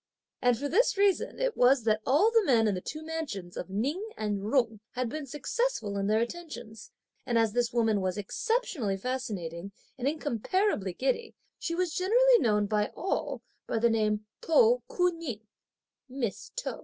And for this reason it was that all the men in the two mansions of Ning and Jung had been successful in their attentions; and as this woman was exceptionally fascinating and incomparably giddy, she was generally known by all by the name To Ku Ning (Miss To).